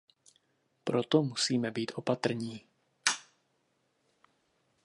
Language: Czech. Proto musíme být opatrní.